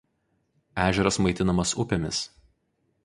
Ežeras maitinamas upėmis.